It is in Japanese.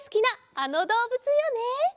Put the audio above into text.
あのどうぶつよね！